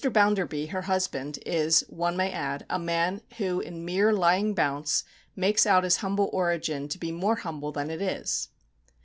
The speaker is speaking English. Bounderby, her husband, is, one may add, a man who, in mere lying bounce, makes out his humble origin to be more humble than it is.